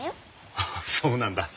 ああそうなんだ。